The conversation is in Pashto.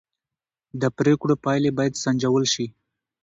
د پرېکړو پایلې باید سنجول شي